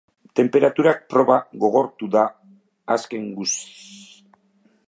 Tenperaturak proba gogortu du azken zatian.